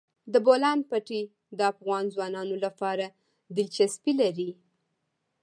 د بولان پټي د افغان ځوانانو لپاره دلچسپي لري.